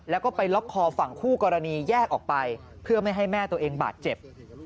แล้วก็ไปล็อกคอฝั่งคู่กรณีแยกออกไปเพื่อไม่ให้แม่ตัวเองบาดเจ็บ